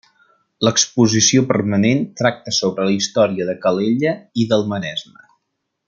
L'exposició permanent tracta sobre la història de Calella i del Maresme.